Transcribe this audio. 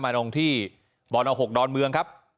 มาตรงที่บ๙๖ดอนเมืองครับ